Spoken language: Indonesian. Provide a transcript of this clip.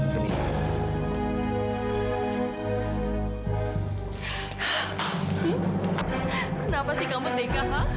kenapa sih kamu tega